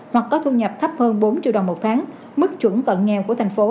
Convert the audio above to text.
hoặc có thu nhập thấp hơn bốn triệu đồng một tháng mức chuẩn cận nghèo của thành phố